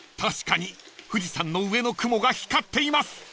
［確かに富士山の上の雲が光っています］